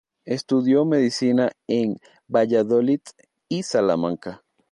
Estudió medicina en Valladolid y Salamanca.